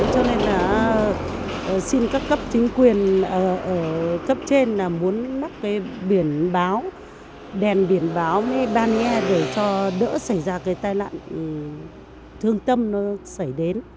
cho nên là xin các cấp chính quyền ở cấp trên là muốn mắc cái biển báo đèn biển báo với ban nghe để cho đỡ xảy ra cái tai nạn thương tâm nó xảy đến